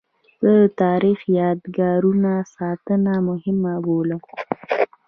زه د تاریخي یادګارونو ساتنه مهمه بولم.